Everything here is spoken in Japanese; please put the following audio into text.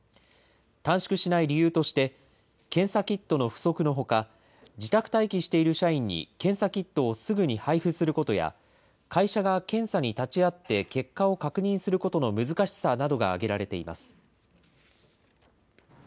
短縮しない理由として、検査キットの不足のほか、自宅待機している社員に検査キットをすぐに配布することや、会社が検査に立ち会って結果を確認することの難しさなどが挙げられています。